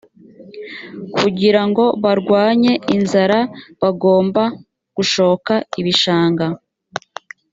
kugira ngo barwanye inzara bagomba gushoka ibishanga